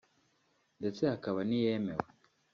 ndetse hakaba n’iyemewe